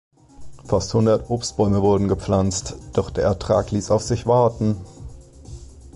Fast hundert Obstbäume wurden gepflanzt, doch der Ertrag ließ auf sich warten.